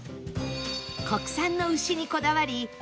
国産の牛にこだわり